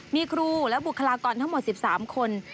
มีครูและบุคลากรทั้งหมด๑๓คน